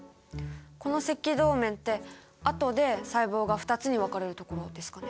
この赤道面って後で細胞が２つに分かれるところですかね？